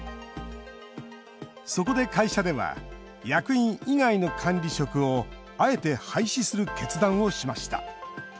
そこで会社では役員以外の管理職をあえて廃止する決断をしました。